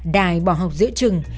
đài bỏ học giữa trừng